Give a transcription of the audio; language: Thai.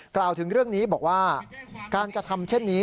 กล่าวถึงเรื่องนี้บอกว่าการกระทำเช่นนี้